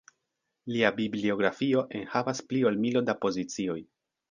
Lia bibliografio enhavas pli ol milo da pozicioj.